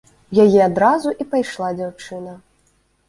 У яе адразу і пайшла дзяўчына.